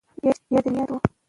یا جنیاتي وي